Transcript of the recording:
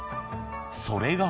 ［それが］